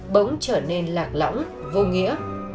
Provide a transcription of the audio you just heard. bỗng trở nên lạc lõng vô nghĩa